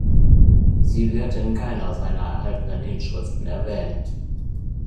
Sie wird in keiner seiner erhaltenen Inschriften erwähnt.